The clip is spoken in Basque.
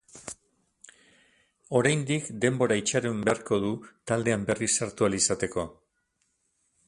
Oraindik denbora itxaron beharko du taldean berriz sartu ahal izateko.